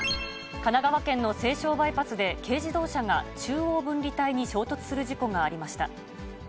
神奈川県の西湘バイパスで軽自動車が中央分離帯に衝突する事故がありました。